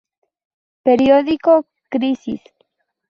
Periódico "Crisis".